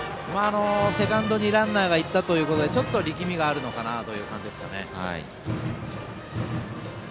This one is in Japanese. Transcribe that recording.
セカンドにランナーが行ったということでちょっと力みがあるのかなと。